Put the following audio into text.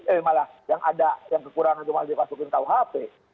eh malah yang ada yang kekurangan cuma masukin ke kuhp